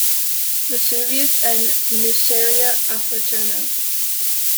Vesuvius and Nuceria Alfaterna.